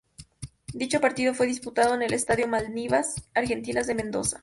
Dicho partido fue disputado en el Estadio Malvinas Argentinas de Mendoza.